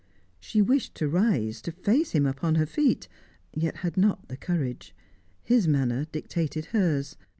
She wished to rise, to face him upon her feet, yet had not the courage. His manner dictated hers.